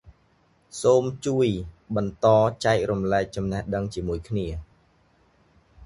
សូមជួយ បន្តចែករំលែក ចំនេះដឹងជាមួយគ្នា។